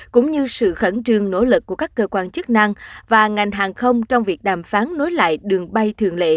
cũng như sự khẩn trương nỗ lực của các cơ quan chức năng và ngành hàng không trong việc đàm phán nối lại đường bay thường lệ